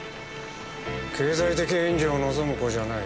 経済的援助を望む子じゃない。